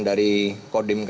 kavaleri berkuda di bandung